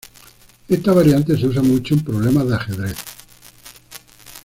Esta variante se usa mucho en problemas de ajedrez.